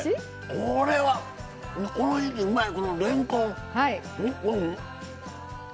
これは、この時季うまいれんこん。